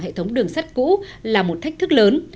hệ thống đường sắt cũ là một thách thức lớn